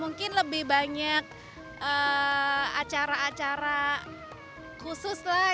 mungkin lebih banyak acara acara khusus lah